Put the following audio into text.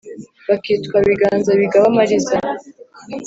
Bakitwa "biganza bigaba amariza".